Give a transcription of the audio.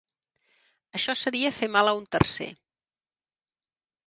Això seria fer mal a un tercer.